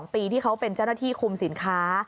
๒ปีที่เขาเป็นเจ้าหน้าที่คุมสินค้า